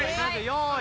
用意